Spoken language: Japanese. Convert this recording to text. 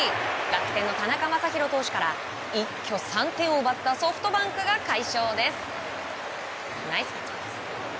楽天の田中将大投手から一挙３点を奪ったソフトバンクが快勝です。